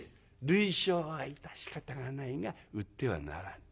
「類焼は致し方がないが売ってはならん」。